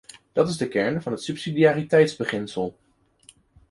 Dat is de kern van het subsidiariteitsbeginsel.